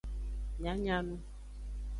Mia nya nu.